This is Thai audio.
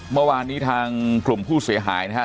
เมื่อวานนี้ทางกลุ่มผู้เสียหายนะครับ